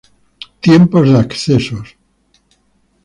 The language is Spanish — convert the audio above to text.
Tiempos de accesos